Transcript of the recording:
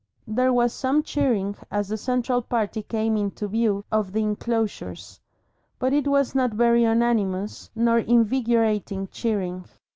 There was some cheering as the central party came into view of the enclosures, but it was not very unanimous nor invigorating cheering.